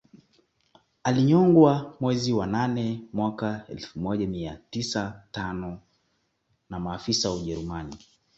Alinyongwa mwezi wa nane mwaka elfu moja mia tisa tano na maafisa wa Ujerumani